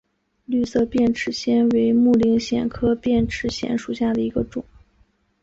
绿色变齿藓为木灵藓科变齿藓属下的一个种。